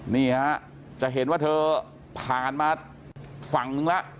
นี่ฮะจะเห็นว่าเธอผ่านมาฝั่งนึงแล้ว